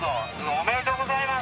おめでとうございます。